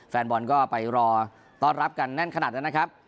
แฟนบอลก็ไปรอต้อนรับกันแน่นขนาดนั้นนะครับ